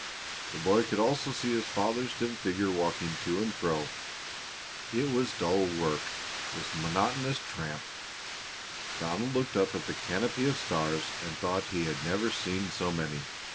The boy could also see his father's dim figure walking to and fro. It was dull work, this monotonous tramp. Donald looked up at the canopy of stars and thought he had never seen so many.